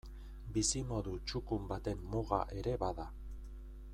Bizimodu txukun baten muga ere bada.